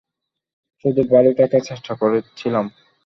শুধু ভালো থাকার চেষ্টা করছিলাম।